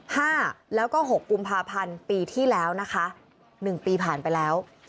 ห้าแล้วก็หกกุมภาพันธ์ปีที่แล้วนะคะหนึ่งปีผ่านไปแล้ว